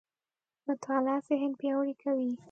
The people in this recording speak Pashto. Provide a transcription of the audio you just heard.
مطالعه ذهن پياوړی کوي.